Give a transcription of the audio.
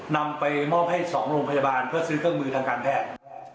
นำไปมอบให้๒โรงพยาบาลเพื่อซื้อเครื่องมือทางการแพทย์